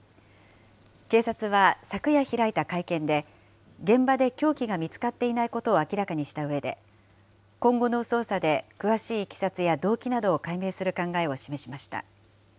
警察は昨夜開いた会見で、現場で凶器が見つかっていないことを明らかにしたうえで、今後の捜査で詳しいいきさつや動機などを解明する考えを示しました。